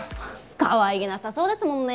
かわいげなさそうですもんねえ